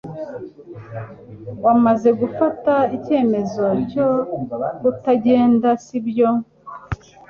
Wamaze gufata icyemezo cyo kutagenda sibyo